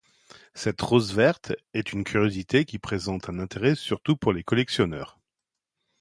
Cette “rose verte” est une curiosité qui présente un intérêt surtout pour les collectionneurs.